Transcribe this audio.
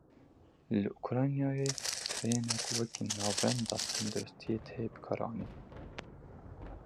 Li Ukraynayê trênek wekî navenda tendirustiyê tê bikaranîn.